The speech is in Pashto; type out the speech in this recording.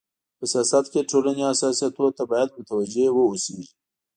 په سیاست کي د ټولني حساسيتونو ته بايد متوجي و اوسيږي.